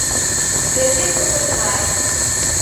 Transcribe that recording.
Для тех, кто понимает.